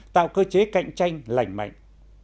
tạo cơ chế cạnh tranh lành mạnh